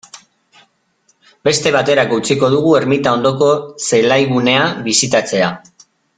Beste baterako utziko dugu ermita ondoko zelaigunea bisitatzea.